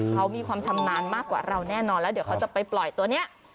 เขามีความชำนาญมากกว่าเราแน่นอนแล้วเดี๋ยวเขาจะไปปล่อยตัวนี้